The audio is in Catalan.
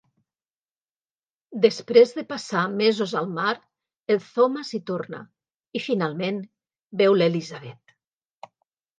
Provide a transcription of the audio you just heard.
Després de passar mesos al mar, el Thomas hi torna i finalment veu l'Elizabeth.